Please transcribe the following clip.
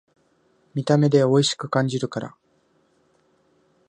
見た目でおいしく感じるから